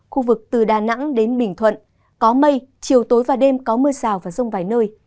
khu vực từ đà nẵng đến bình thuận có mây chiều tối và đêm có mưa rào và rông vài nơi